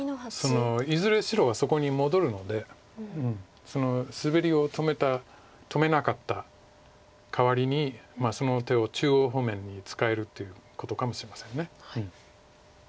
いずれ白がそこに戻るのでスベリを止めなかったかわりにその手を中央方面に使えるということかもしれません。